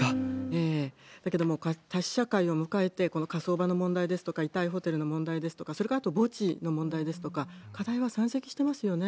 だけども、多死社会をこの火葬場の問題ですとか、遺体ホテルの問題とか、それからあと墓地の問題ですとか、課題は山積してますよね。